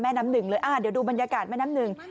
น้ำหนึ่งเลยเดี๋ยวดูบรรยากาศแม่น้ำหนึ่ง